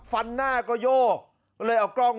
ฟันหน้าก็โยกเลยเอากล้อง